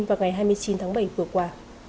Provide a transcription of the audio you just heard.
vào ngày hai mươi chín tháng bảy vừa qua